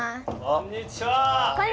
こんにちは！